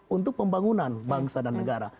untuk pembangunan bangsa dan negara